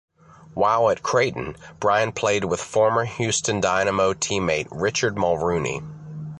While at Creighton, Brian played with former Houston Dynamo teammate Richard Mulrooney.